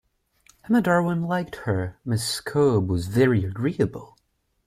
Emma Darwin liked her, Miss Cobbe was very agreeable.